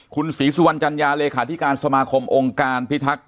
คุณศรีศาลจัณยาเลขาธิการสมาคมองค์การพิทักษ์